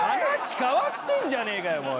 話変わってんじゃねえかよ！